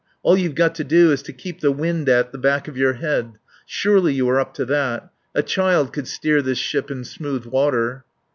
All you've got to do is to keep the wind at the back of your head. Surely you are up to that. A child could steer this ship in smooth water."